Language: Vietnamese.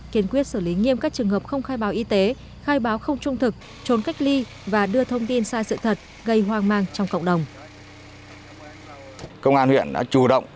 kiên quyết xử lý nghiêm các trường hợp không khai báo y tế khai báo không trung thực trốn cách ly và đưa thông tin sai sự thật gây hoang mang trong cộng đồng